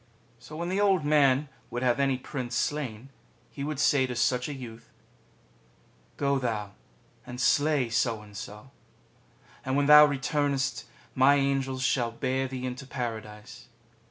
So when the Old Man would have any Prince slain, he would say to such a youth :" Go thou and slay So and So ; and when thou returnest my Angels shall bear thee into Paradise.